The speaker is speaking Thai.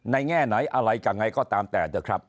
ในแง่ไหนอะไรกันไงก็ตามแต่